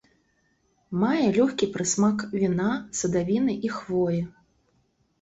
Мае лёгкі прысмак віна, садавіны і хвоі.